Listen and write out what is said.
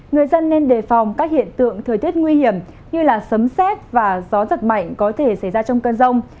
người dân nên đề phòng các hiện tượng thời tiết nguy hiểm như sấm xét và gió giật mạnh có thể xảy ra trong cơn rông